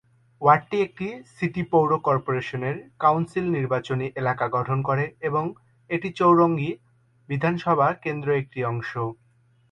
ওয়ার্ডটি একটি সিটি পৌর corporation council নির্বাচনী এলাকা গঠন করে এবং এটি চৌরঙ্গী বিধানসভা কেন্দ্রর একটি অংশ।